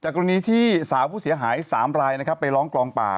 ก็ทีนี้สาวผู้เสียหายสามรายไปร้องกรองบราบ